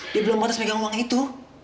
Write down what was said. dia belum matas pegang uang itu